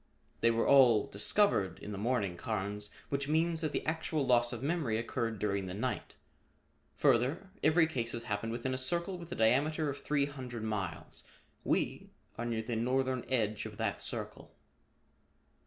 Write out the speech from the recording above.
"They were all discovered in the morning, Carnes, which means that the actual loss of memory occurred during the night. Further, every case has happened within a circle with a diameter of three hundred miles. We are near the northern edge of that circle."